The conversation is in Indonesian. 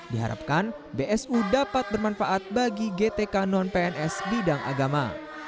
diharapkan bsu dapat bermanfaat bagi gtk non pns bidang agama